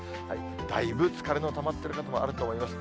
だいぶ疲れのたまっている方もあると思います。